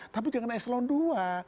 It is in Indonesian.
tapi jangan eselon ii